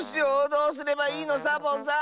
どうすればいいの⁉サボさん。